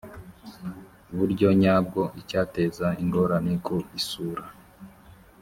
buryo nyabwo icyateza ingorane ku isura